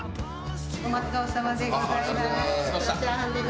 お待ちどおさまでございます。